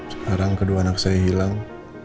sekarang kedua anak saya hilang